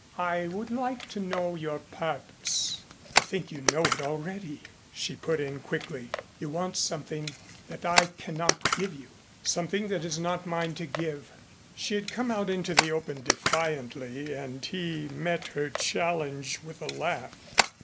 "I would like to know your purpose." "I think you know it already," she put in quickly. "You want something that I cannot give you something that is not mine to give." She had come out into the open defiantly and he met her challenge with a laugh.